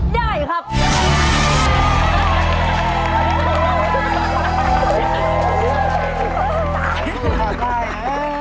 ยังจะมาลูกจะมา